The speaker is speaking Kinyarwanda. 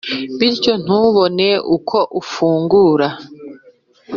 bityo ntubone uko ufungura.